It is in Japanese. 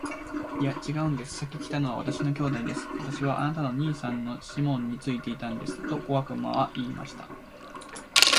「いや、ちがうんです。先来たのは私の兄弟です。私はあなたの兄さんのシモンについていたんです。」と小悪魔は言いました。